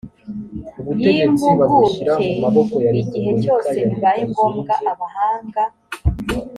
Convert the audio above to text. y impuguke igihe cyose bibaye ngombwa abahanga